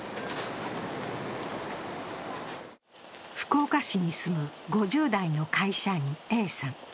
福岡市に住む５０代の会社員Ａさん。